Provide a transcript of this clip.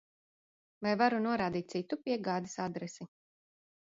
Vai varu norādīt citu piegādes adresi?